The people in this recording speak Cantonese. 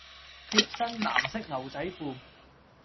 貼身藍色牛仔褲